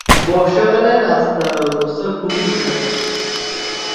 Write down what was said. বর্ষাকালে রাস্তার অবস্থা খুবই খারাপ।